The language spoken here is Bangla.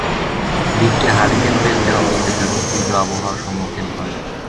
দ্বীপটি হারিকেন বেল্টে অবস্থিত এবং তীব্র আবহাওয়ার সম্মুখীন হয়।